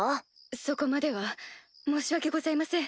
そこまでは申し訳ございません。